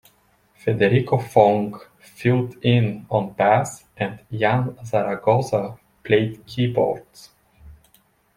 Federico Fong filled in on bass and Yann Zaragoza played keyboards.